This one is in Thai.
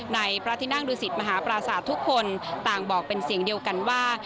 ในประทินั่งดูสิทธิ์มหาปราสาททุกคนต่างบอกเป็นเสียงเดียวกันว่า